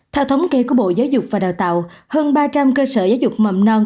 theo thống kê của bộ giáo dục và đào tạo hơn ba trăm linh cơ sở giáo dục mầm non